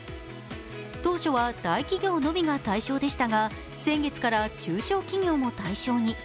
当初は大企業のみが対象でしたが、先月から中小企業も対象に。